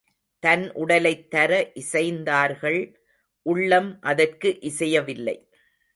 தன் உடலைத் தர இசைந்தார்கள் உள்ளம் அதற்கு இசையவில்லை.